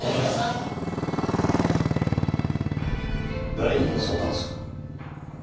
誰に教わったんですか？